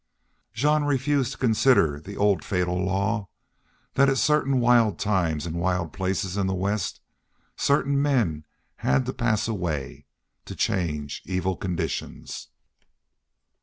Jean refused to consider the old, fatal law that at certain wild times and wild places in the West certain men had to pass away to change evil conditions.